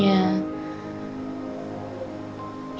ya tapi maaf